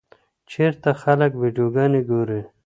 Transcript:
چېرته خلک ویډیوګانې ګوري؟